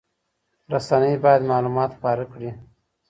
رسنۍ باید معلومات خپاره کړي.